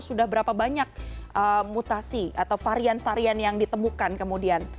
sudah berapa banyak mutasi atau varian varian yang ditemukan kemudian